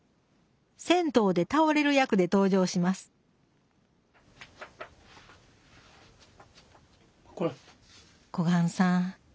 銭湯で倒れる役で登場します小雁さん